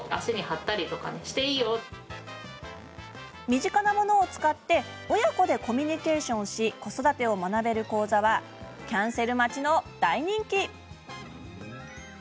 身近なものを使って親子でコミュニケーションし親子で子育てを学べる講座はキャンセル待ちの人気。